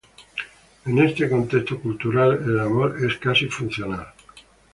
En este contexto cultural el amor es casi funcional.